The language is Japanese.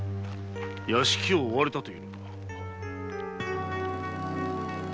「屋敷を追われた」と言うのか。